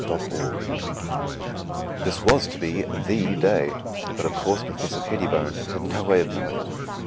COGGINS This was to be the day, but of course Professor Pettibone had no way of knowing it.